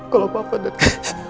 kalau papa dan kak